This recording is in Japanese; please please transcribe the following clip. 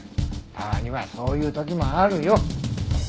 たまにはそういう時もあるよ。